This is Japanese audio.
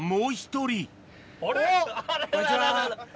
こんにちはー。